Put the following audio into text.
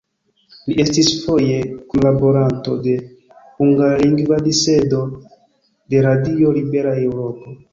Li estis foje kunlaboranto de hungarlingva dissendo de Radio Libera Eŭropo.